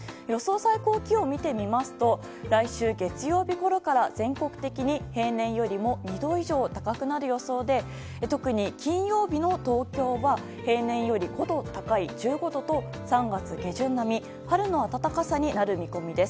最高気温を見てみますと来週月曜日ごろから全国的に平年よりも２度以上高くなる予想で特に金曜日の東京は平年より５度高い１５度と３月下旬並み春の暖かさになる見込みです。